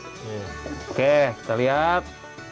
oke kita lihat